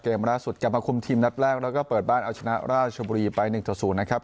ล่าสุดจะมาคุมทีมนัดแรกแล้วก็เปิดบ้านเอาชนะราชบุรีไป๑ต่อ๐นะครับ